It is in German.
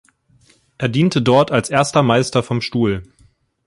Er diente dort als erster Meister vom Stuhl.